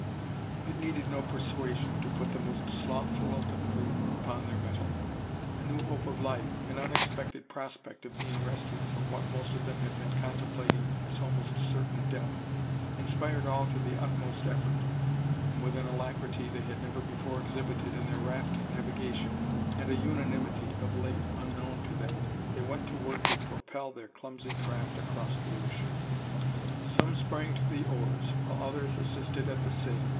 It needed no persuasion to put the most slothful of the crew upon their mettle. A new hope of life, an unexpected prospect of being rescued from what most of them had been contemplating as almost certain death, inspired all to the utmost effort; and with an alacrity they had never before exhibited in their raft navigation, and a unanimity of late unknown to them, they went to work to propel their clumsy craft across the ocean. Some sprang to the oars, while others assisted at the sail.